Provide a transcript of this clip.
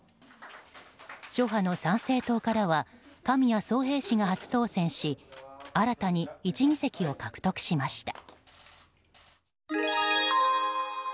諸派の参政党からは神谷宗幣氏が初当選し新たに１議席を獲得しました。